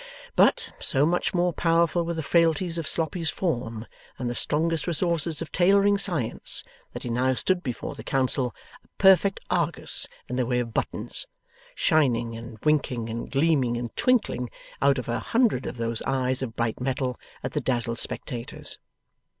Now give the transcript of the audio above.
But, so much more powerful were the frailties of Sloppy's form than the strongest resources of tailoring science, that he now stood before the Council, a perfect Argus in the way of buttons: shining and winking and gleaming and twinkling out of a hundred of those eyes of bright metal, at the dazzled spectators.